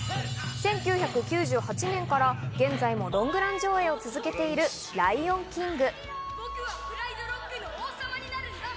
１９９８年から現在もロングラン上演を続けている『ライオンキング』。